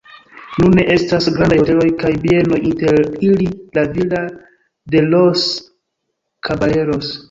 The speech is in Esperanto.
Nune estas grandaj hoteloj kaj bienoj, inter ili La Villa de los Caballeros.